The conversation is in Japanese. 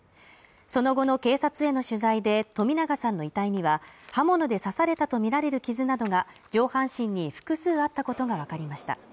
その後の警察への取材で冨永さんの遺体には刃物で刺されたとみられる傷などが上半身に複数あったことがわかりました。